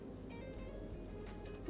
masukkan ke dalam